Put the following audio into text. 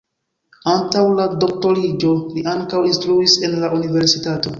Antaŭ la doktoriĝo li ankaŭ instruis en la universitato.